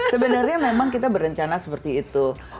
sebenarnya memang kita berencana seperti itu